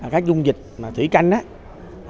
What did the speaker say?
các dung dịch mà thủy canh